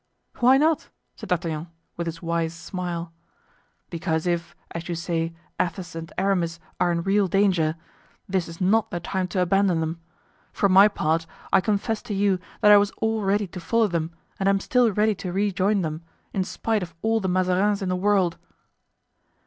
"Why not?" said D'Artagnan, with his wise smile. "Because if, as you say, Athos and Aramis are in real danger, this is not the time to abandon them. For my part, I confess to you that I was all ready to follow them and am still ready to rejoin them, in spite of all the Mazarins in the world."